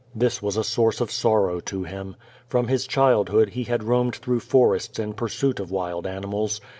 This was a source of sorrow to him. From his childhood he had roamed through forests in pursuit of wild animals.